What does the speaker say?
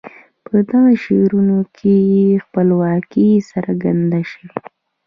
په دغو شعرونو کې خپلواکي څرګند شوي.